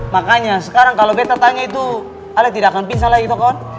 makanya sekarang kalau betta tanya itu ale tidak akan pingsan lagi kawan